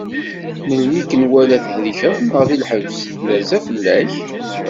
Melmi i k-nwala thelkeḍ neɣ di lḥebs, nerza fell-ak?